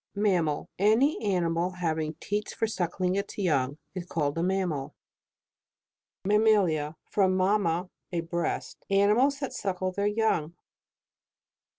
MAMMAL Any animal having teats for suckling its young, is called a mammal. MAMMALIA. From mamma, a breast. Animals that suckle their young.